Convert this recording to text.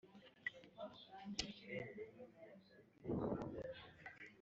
uramutse utabonetse uyobora inama y’inteko rusange ntiyaboneka